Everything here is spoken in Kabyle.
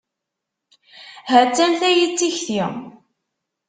Hattan, tayi d tikti.